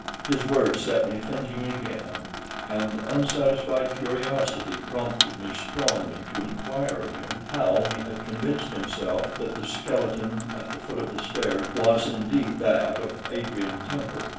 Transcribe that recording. His words set me thinking again, and unsatisfied curiosity prompted me strongly to inquire of him how he had convinced himself that the skeleton at the foot of the stairs was indeed that of Adrian Temple.